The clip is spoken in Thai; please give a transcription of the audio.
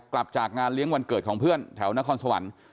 กลับจากงานเลี้ยงวันเกิดของเพื่อนแถวนครสวรรค์